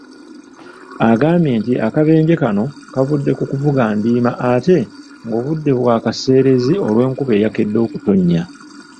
Agambye nti akabenje kano kavudde ku kuvuga ndiima ate ng'obudde bwakaseerezi olw'enkuba eyakedde okutonnya.